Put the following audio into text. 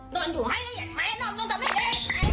นอนอยู่ไห้ไอ้แหงนอนต่อไป